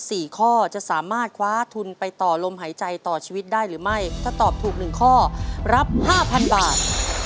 ฟีชัวร์จำหม้นแค่นี้แบบว่านักชายเนี่ยมาถึงชีวิตได้หรือไม่ถ้าตอบถูก๑ข้อรับ๕๐๐๐บาท